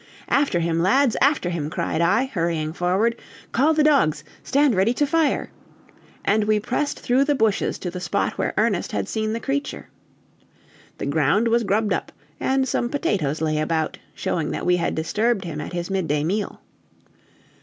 "After him lads, after him!" cried I, hurrying forward. "Call the dogs! stand ready to fire!" And we pressed through the bushes to the spot where Ernest had seen the creature. The ground was grubbed up, and some potatoes lay about, showing that we had disturbed him at his midday meal.